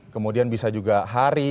kemudian bisa juga hari